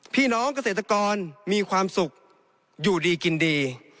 พี่น้องเกษตรกรมีความสุขอยู่ดีกินดี